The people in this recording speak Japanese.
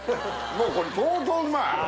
もうこれ相当うまい！